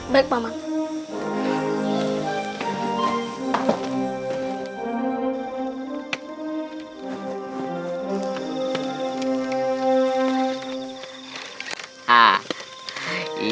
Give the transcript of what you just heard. baik pak mandari